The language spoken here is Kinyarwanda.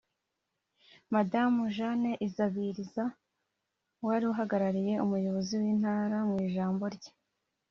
Madamu Jeanne Izabiriza wari uhagarariye umuyobozi w’intara mu ijambo rye